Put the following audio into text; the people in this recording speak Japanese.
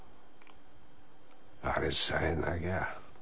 あれさえなきゃ。